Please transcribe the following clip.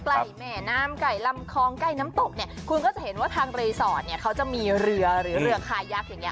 แม่น้ำไก่ลำคลองใกล้น้ำตกเนี่ยคุณก็จะเห็นว่าทางรีสอร์ทเนี่ยเขาจะมีเรือหรือเรือคายักษ์อย่างเง